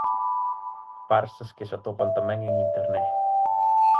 Farsas que se atopan tamén en Internet.